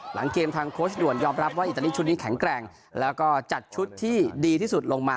หลังเกมทางโค้ชด่วนยอมรับว่าอิตาลีชุดนี้แข็งแกร่งแล้วก็จัดชุดที่ดีที่สุดลงมา